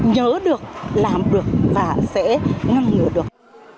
nhớ được làm được và sẽ ngăn ngừa được